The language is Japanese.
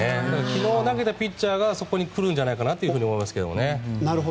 昨日投げたピッチャーがそこに来るんじゃないかなと思いますね。